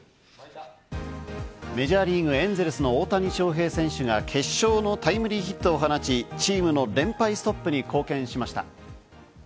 メジャーリーグ・エンゼルスの大谷翔平選手が決勝のタイムリーヒットを放ち、チームの連敗ストップに貢献しました。